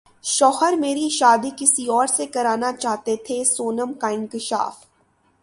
شوہر میری شادی کسی اور سے کرانا چاہتے تھے سونم کا انکشاف